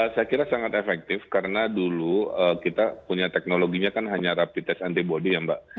saya kira sangat efektif karena dulu kita punya teknologinya kan hanya rapid test antibody ya mbak